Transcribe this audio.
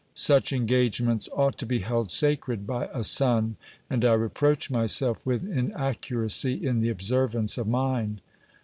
Such engagements ought to be held sacred by a son ; and I re proach myself with inaccuracy in the observance of mine.